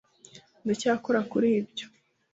Ndacyakora kuri ibyo